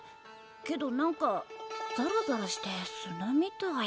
けど何かザラザラして砂みたい。